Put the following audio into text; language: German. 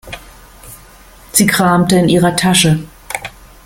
Sie kramte in ihrer Tasche.